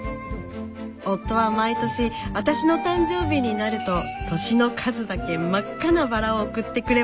夫は毎年私の誕生日になると歳の数だけ真っ赤なバラを贈ってくれました。